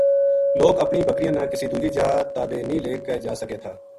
لوک اپنی بکریاں نا کسی دوجی جا تا بے نیہہ لے کے جا سکے تھا